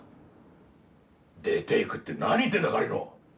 出て行くって何言ってんだ狩野！